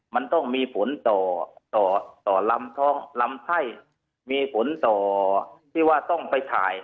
มันต้องมีผลต่อต่อลำท้องลำไส้มีผลต่อที่ว่าต้องไปถ่าย